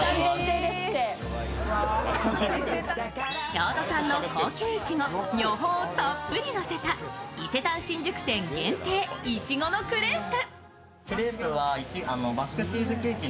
京都産の高級いちご女峰をたっぷりのせた伊勢丹新宿店限定、いちごのクレープ。